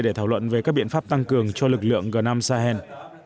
để thảo luận về các biện pháp tăng cường cho lực lượng g năm sahel